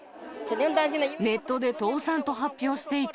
ネットで倒産と発表していた。